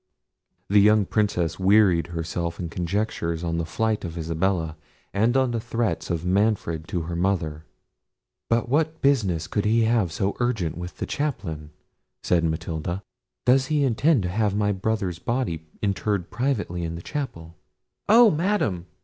The young Princess wearied herself in conjectures on the flight of Isabella, and on the threats of Manfred to her mother. "But what business could he have so urgent with the chaplain?" said Matilda, "Does he intend to have my brother's body interred privately in the chapel?" "Oh, Madam!"